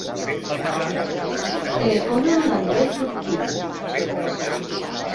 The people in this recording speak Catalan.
Telefona a l'Andreu Turpin.